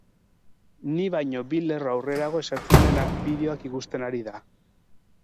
Ni baino bi lerro aurrerago esertzen dena bideoak ikusten ari da.